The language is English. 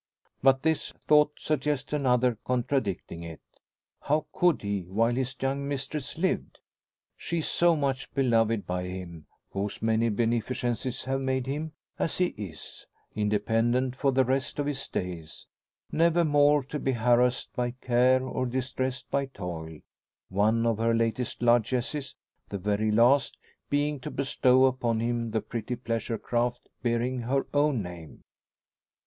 But this thought suggests another contradicting it. How could he while his young mistress lived? She so much beloved by him, whose many beneficences have made him, as he is, independent for the rest of his days, never more to be harassed by care or distressed by toil, one of her latest largesses, the very last, being to bestow upon him the pretty pleasure craft bearing her own name.